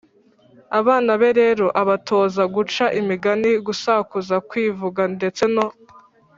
Abana be rero abatoza guca imigani, gusakuza, kwivuga ndetse no